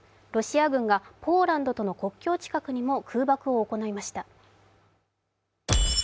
ロシア軍がポーランドとの国境近くにも、空爆を行いました。